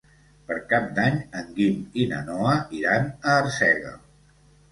Per Cap d'Any en Guim i na Noa iran a Arsèguel.